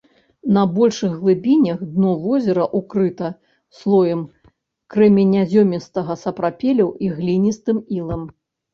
На большых глыбінях дно возера ўкрыта слоем крэменязёмістага сапрапелю і гліністым ілам.